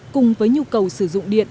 cùng với nhu cầu sử dụng điện